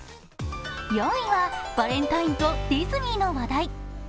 ４位はバレンタインとディズニーの話題。